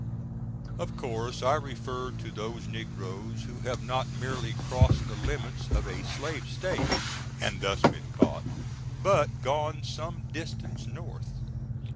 Of course I refer to those negroes who have not merely crossed the limits of a Slave State, & thus been caught, but gone some distance North.